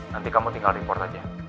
nanti kamu tinggal report aja